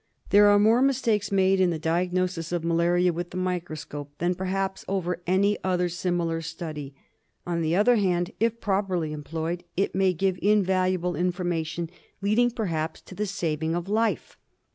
There are more mistakes made in the diagnosis of malaria with the microscope than perhaps over any other similar study; on the other hand, if properly' employed, it may give invaluable information leading perhaps to the saving of life.